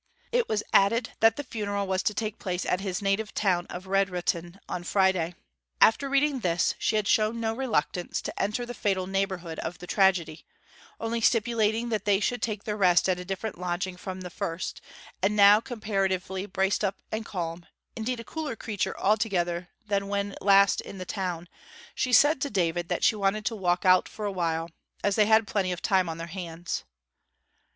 It was added that the funeral was to take place at his native town of Redrutin on Friday. After reading this she had shown no reluctance to enter the fatal neighbourhood of the tragedy, only stipulating that they should take their rest at a different lodging from the first; and now comparatively braced up and calm indeed a cooler creature altogether than when last in the town, she said to David that she wanted to walk out for a while, as they had plenty of time on their hands.